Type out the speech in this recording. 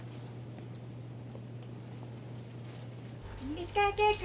・石川圭君。